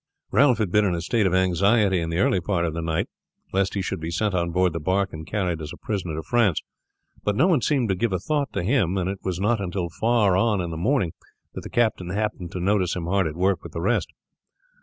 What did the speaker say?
Ralph had been in a state of anxiety in the early part of the night lest he should be sent on board the bark and carried as a prisoner to France. But no one seemed to give a thought to him, and it was not until far on in the morning that the captain happened to notice him hard at work with the rest.